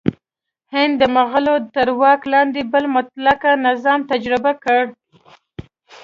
هند د مغولو تر واک لاندې بل مطلقه نظام تجربه کړ.